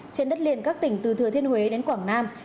trên đất liền các tỉnh từ thừa thiên huế đến quảng nam